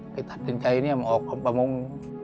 พี่ถัดสินใจเนี่ยมาออกของประมง